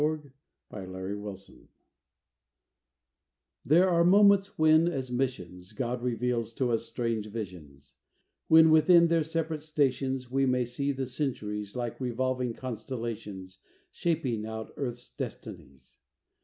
THE END OF THE CENTURY There are moments when, as missions, God reveals to us strange visions; When, within their separate stations, We may see the Centuries, Like revolving constellations Shaping out Earth's destinies.